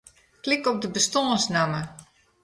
Klik op bestânsnamme.